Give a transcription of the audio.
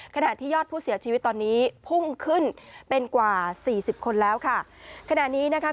ขณะที่ยอดผู้เสียชีวิตตอนนี้พุ่งขึ้นเป็นกว่าสี่สิบคนแล้วค่ะขณะนี้นะคะ